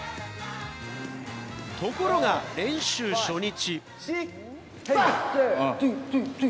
ところが、練習初日。